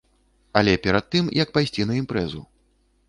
Але перад тым, як пайсці на імпрэзу.